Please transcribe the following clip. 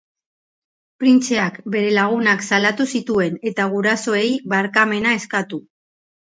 Printzeak bere lagunak salatu zituen eta gurasoei barkamena eskatu.